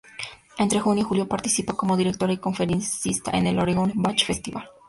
Entre junio y julio participa como directora y conferencista en el Oregon Bach Festival.